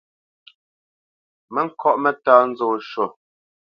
Mǝ ŋkɔ́ʼ mǝ́tá nzó shwô.